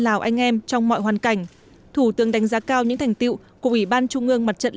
lào anh em trong mọi hoàn cảnh thủ tướng đánh giá cao những thành tiệu của ủy ban trung ương mặt trận